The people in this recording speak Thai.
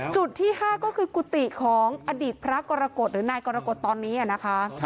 จุดที่๕ก็คือกุฏิของอดีตพระกรกฎหรือนายกรกฎตอนนี้นะคะ